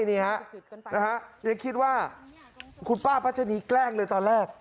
นี่ฮะยังคิดว่าคุณป้าพัชนีแกล้งเลยตอนแรก